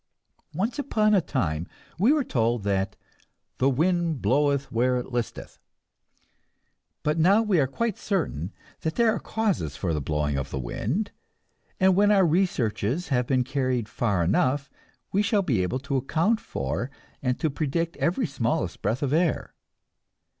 Once upon a time we were told that "the wind bloweth where it listeth." But now we are quite certain that there are causes for the blowing of the wind, and when our researches have been carried far enough, we shall be able to account for and to predict every smallest breath of air.